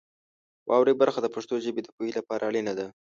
واورئ برخه د پښتو ژبې د پوهې لپاره اړینه ده.